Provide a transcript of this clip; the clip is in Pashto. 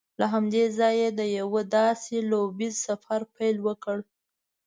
له همدې ځایه یې د یوه داسې لوبیز سفر پیل وکړ